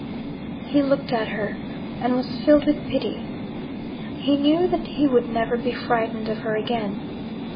He looked at her, and was filled with pity. He knew that he would never be frightened of her again.